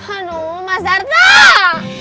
aduh mas darto